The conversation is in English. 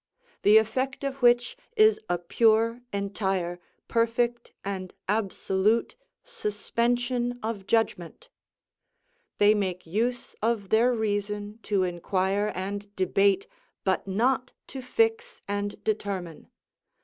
The effect of which is a pure, entire, perfect, and absolute suspension of judgment. They make use of their reason to inquire and debate, but not to fix and determine.